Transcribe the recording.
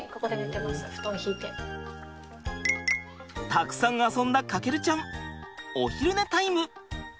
たくさん遊んだ翔ちゃん。お昼寝タイム！